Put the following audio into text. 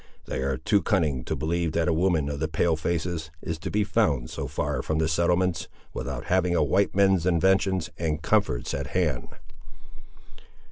They are too cunning to believe that a woman of the 'pale faces' is to be found so far from the settlements, without having a white man's inventions and comforts at hand."